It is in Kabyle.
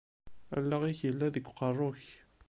Allaɣ-ik yella deg uqerru-k.